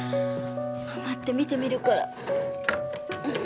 待って見てみるから。